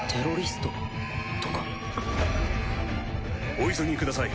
お急ぎください。